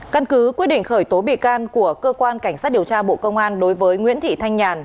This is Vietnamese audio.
căn cứ quyết định khởi tố bị can của cơ quan cảnh sát điều tra bộ công an đối với nguyễn thị thanh nhàn